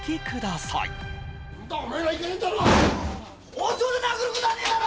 包丁で殴ることはねえだろ！